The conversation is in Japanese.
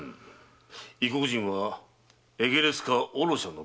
異国人はエゲレスかオロシヤの武器商人だ。